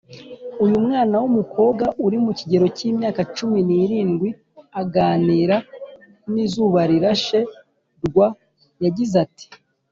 Uyu mwana w’umukobwa uri mu kigero cy’imyaka cumi n’irindwi, aganira n’izubarirashe.rw yagize ati